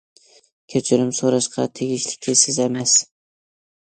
كەچۈرۈم سوراشقا تېگىشلىكى سىز ئەمەس!